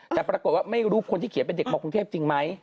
แต่ปรากฏว่าไม่รู้คนที่เขียนเป็นเด็กมากรุงเทพจริงไหม